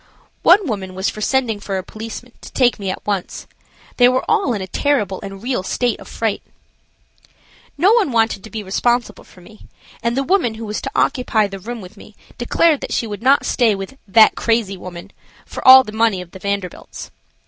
One woman was for sending for a policeman to take me at once. They were all in a terrible and real state of fright. No one wanted to be responsible for me, and the woman who was to occupy the room with me declared that she would not stay with that "crazy woman" for all the money of the Vanderbilts.